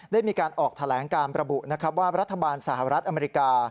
ได้มีการออกแถลงการประบุนะครับว่ารัฐบาลสหรัฐอเมริกา